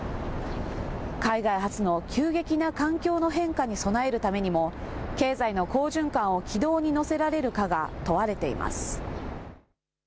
海外発の急激な環境の変化に備えるためにも経済の好循環を軌道に乗せられるかが問われています。